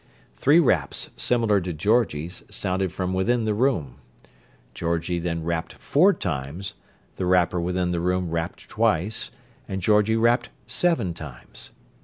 Three raps, similar to Georgie's, sounded from within the room. Georgie then rapped four times the rapper within the room rapped twice, and Georgie rapped seven times.